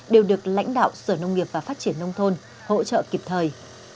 đều được lãnh đạo sở nông nghiệp và phát triển nông thôn hỗ trợ kịp thời